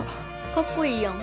かっこいいやん。